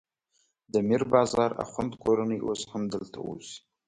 د میر بازار اخوند کورنۍ اوس هم همدلته اوسي.